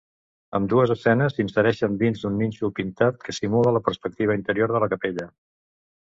Ambdues escenes s'insereixen dins d'un nínxol pintat que simula la perspectiva interior de la capella.